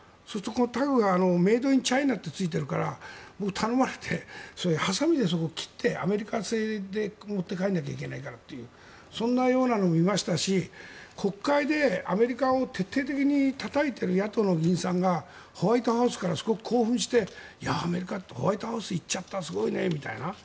タグにメイド・イン・チャイナって書いてあるから僕、頼まれてハサミで切ってアメリカ製で持って帰らなきゃいけないからというそんなようなのを見ましたし国会でアメリカを徹底的たたいている野党の議員さんがホワイトハウスからすごく興奮してアメリカのホワイトハウスに行っちゃったすごいねみたいな。